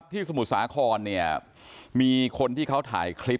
ทีสมุทรสาธารณ์ครออนเนี้ยมีคนที่เขาถ่ายคลิป